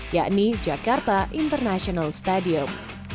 yakni jakarta international stadium